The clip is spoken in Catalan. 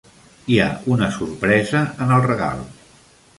Hi ha una sorpresa en el regal.